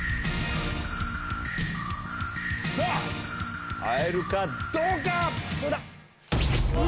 さぁ会えるかどうか⁉お！